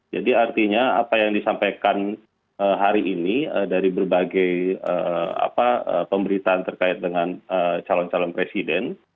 jadi artinya apa yang disampaikan hari ini dari berbagai pemberitaan terkait dengan calon calon presiden